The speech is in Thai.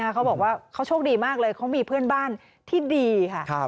เขาบอกว่าเขาโชคดีมากเลยเขามีเพื่อนบ้านที่ดีค่ะ